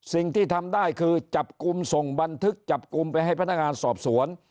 สิ่งที่ทำได้คือจับกลุ่มส่งบันทึกจับกลุ่มไปให้พนักงานสอบสวน